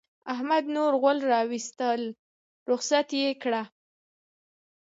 احمد نور غول راوستل؛ رخصت يې کړه.